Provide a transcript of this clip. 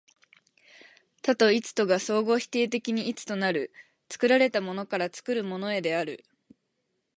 多と一とが相互否定的に一となる、作られたものから作るものへである。